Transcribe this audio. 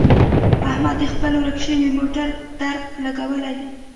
احمد د خپل ورک شوي موټر درک لګولی دی.